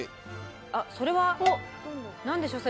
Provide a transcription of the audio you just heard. あっそれは何でしょうそれ。